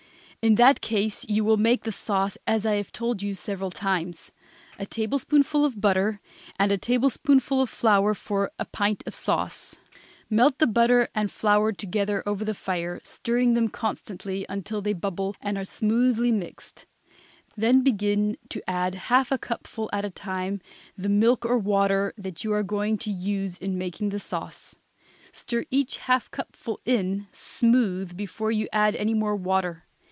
In that case you will make the sauce as I have told you several times: a tablespoonful of butter, and a tablespoonful of flour for a pint of sauce; melt the butter and flour together over the fire, stirring them constantly until they bubble and are smoothly mixed; then begin to add half a cupful at a time the milk or water that you are going to use in making the sauce; stir each half cupful in smooth before you add any more water.